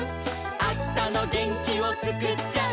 「あしたのげんきをつくっちゃう」